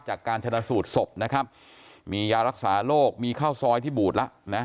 จากการชนะสูตรศพนะครับมียารักษาโรคมีข้าวซอยที่บูดแล้วนะ